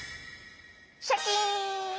シャキン！